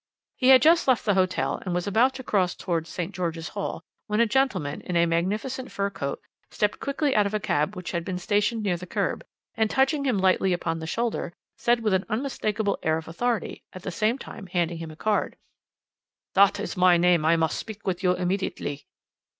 "He had just left the hotel and was about to cross towards St. George's Hall when a gentleman, in a magnificent fur coat, stepped quickly out of a cab which had been stationed near the kerb, and, touching him lightly upon the shoulder, said with an unmistakable air of authority, at the same time handing him a card: "'That is my name. I must speak with you immediately."